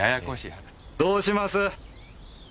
どうします？